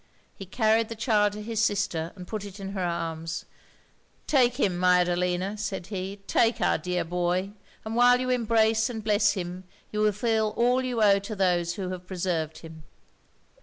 He carried the child to his sister, and put it into her arms 'Take him, my Adelina!' said he 'take our dear boy: and while you embrace and bless him, you will feel all you owe to those who have preserved him.'